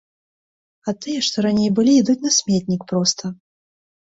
А тыя, што раней былі, ідуць на сметнік проста.